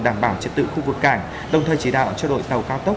đảm bảo trật tự khu vực cảng đồng thời chỉ đạo cho đội tàu cao tốc